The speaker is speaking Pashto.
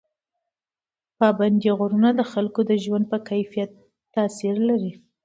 پابندي غرونه د خلکو د ژوند په کیفیت تاثیر کوي.